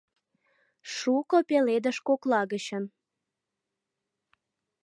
Шуко пеледыш кокла гычын